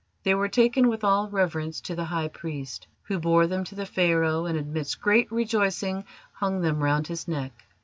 They were taken with all reverence to the High Priest, who bore them to the Pharaoh, and, amidst great rejoicing, hung them round his neck.